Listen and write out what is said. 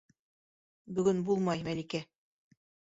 Бөгөн булмай, Мәликә.